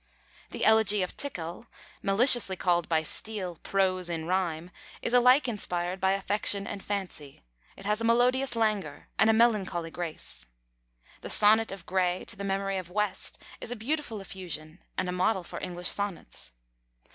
The elegy of Tickell, maliciously called by Steele "prose in rhyme," is alike inspired by affection and fancy; it has a melodious languor, and a melancholy grace. The sonnet of Gray to the memory of West is a beautiful effusion, and a model for English sonnets.